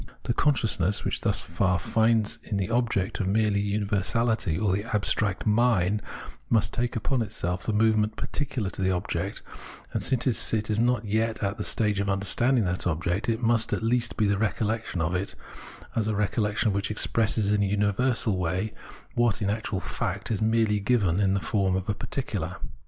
The con sciousness, which thus far finds in the object merely universality or the abstract " mine," must take upon itself the movement peculiar to the object ; and, since it is not yet at the stage of understanding that object, it must, at least, be the recollection of it, a recollection Observation of Nature 237 which expresses in a universal way what, in actual fact, is merely given in the form of a particular.